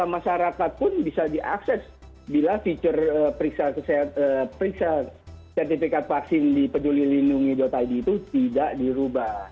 masyarakat pun bisa diakses bila fitur periksa sertifikat vaksin di pedulilindungi id itu tidak dirubah